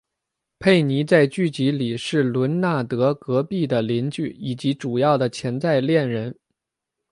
佩妮在剧集里是伦纳德隔壁的邻居以及主要的潜在恋人。